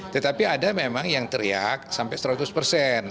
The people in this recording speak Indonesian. tetapi ada memang yang teriak sampai seratus persen